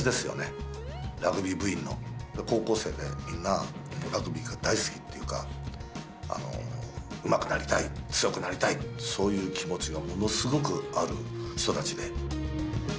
高校生でみんなラグビーが大好きっていうかうまくなりたい強くなりたいそういう気持ちがものすごくある人たちで。